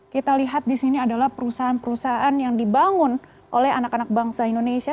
kita lihat di sini adalah perusahaan perusahaan yang dibangun oleh anak anak bangsa indonesia